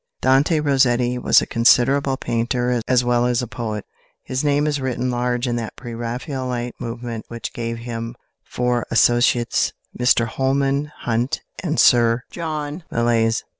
Dante Rossetti was a considerable painter as well as a poet. His name is written large in that pre Raphaelite movement which gave him for associates Mr Holman Hunt and Sir John Millais.